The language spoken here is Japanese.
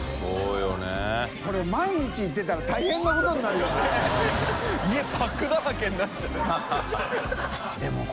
海賈萋行ってたら大変なことになるよね。